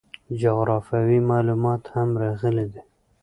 جغرافیوي معلومات هم راغلي دي.